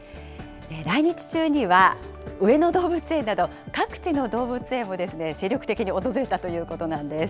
来日中には、上野動物園など、各地の動物園を精力的に訪れたということなんです。